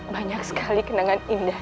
banyak sekali kenangan indah